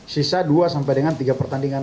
sisa dua sampai dengan tiga pertandingan